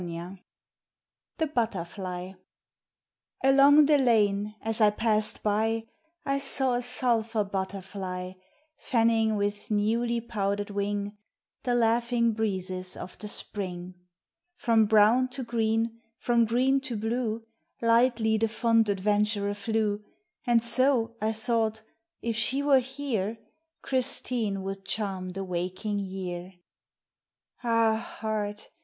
117 THE BUTTERFLY ALONG the lane as I passed by I saw a sulphur butterfly Fanning with newly powdered wing The laughing breezes of the Spring ; From brown to green, from green to blue Lightly the fond adventurer flew, And so, I thought, if she were here, Christine would charm the waking year. Ah, heart